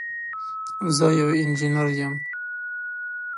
زه یو انجینر یم